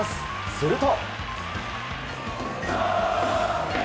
すると。